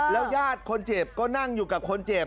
แล้วยาดคนเจ็บก็นั่งอยู่กับคนเจ็บ